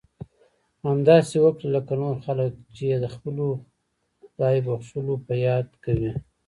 همداسې وکړه لکه نور خلک یې چې د خپلو خدای بښلو په یاد کوي.